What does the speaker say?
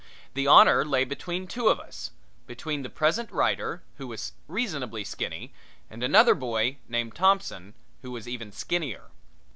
The honor lay between two of us between the present writer, who was reasonably skinny, and another boy, named Thompson, who was even skinnier.